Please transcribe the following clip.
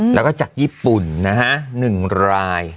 แล้วก็จากญี่ปุ่นนะฮะ๑ราย